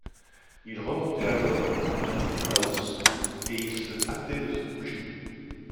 Ils remontaient alors à Granite-house, et ils se hâtaient de se coucher